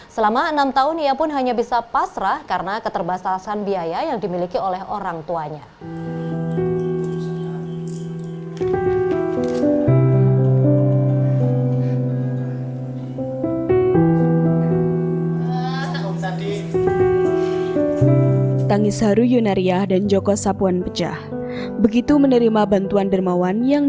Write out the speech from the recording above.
selama enam tahun ia pun hanya bisa pasrah karena keterbasasan biaya yang dimiliki oleh orang tuanya